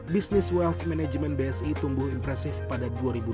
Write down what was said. bisnis wealth management bsi tumbuh impresif pada dua ribu dua puluh